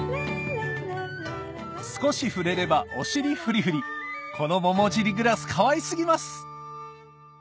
少し触れればお尻フリフリこの桃尻グラスかわい過ぎます！